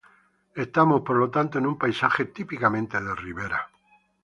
Estamos, por lo tanto, en un paisaje típicamente de ribera.